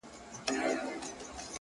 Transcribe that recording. په زرگونو حاضر سوي وه پوځونه،